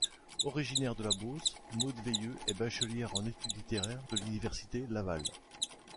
Originaire de la Beauce, Maude Veilleux est bachelière en études littéraires de l'Université Laval.